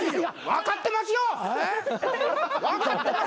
分かってますよ！